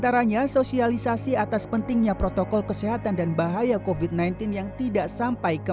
terima kasih atas pentingnya protokol kesehatan dan bahaya kofit sembilan belas yang tidak sampai ke